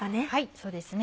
そうですね。